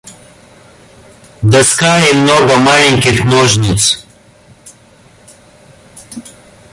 Доска и много маленьких ножниц.